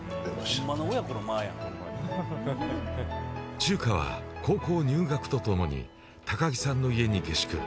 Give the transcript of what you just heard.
チューカは、高校入学とともに高木さんの家に下宿。